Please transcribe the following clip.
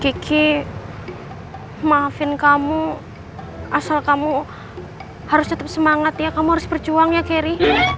kiki maafin kamu asal kamu harus tetap semangat ya kamu harus berjuang ya kerry